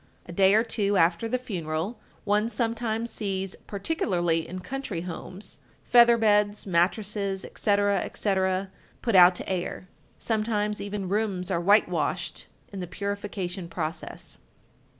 A day or two after the funeral one sometimes sees, particularly in country homes, feather beds, mattresses, etc., etc., put out to air. Sometimes even rooms are whitewashed in the purification process.